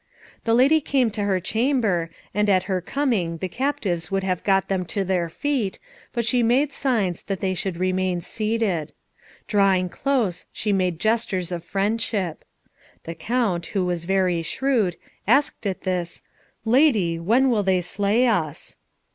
The lady came to her chamber, and at her coming the captives would have got them to their feet, but she made signs that they should remain seated. Drawing close she made gestures of friendship. The Count, who was very shrewd, asked at this, "Lady, when will they slay us?"